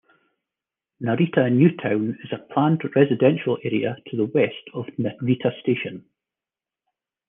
Narita New Town is a planned residential area to the west of Narita Station.